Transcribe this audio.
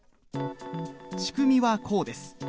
仕組みはこうです。